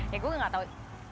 ya gue gak tau